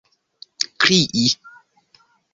krii